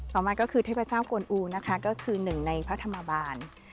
ต่อมาก็คือเทพเจ้ากวนอูนะคะก็คือหนึ่งในพระธรรมบาล